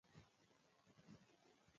چټک مشورې دقیق تصمیم نیولو ته اړتیا لري.